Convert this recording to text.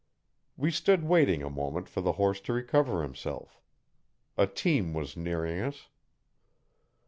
We stood waiting a moment for the horse to recover himself. A team was nearing us.